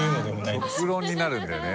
極論になるんだよね。